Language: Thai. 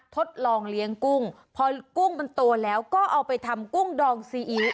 ทดลองเลี้ยงกุ้งพอกุ้งมันโตแล้วก็เอาไปทำกุ้งดองซีอิ๊ว